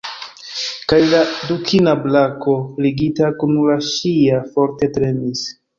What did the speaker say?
Kaj la dukina brako, ligita kun la ŝia, forte tremis.